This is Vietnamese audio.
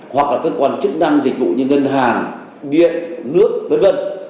hoặc là các con chức năng dịch vụ như ngân hàng điện nước v v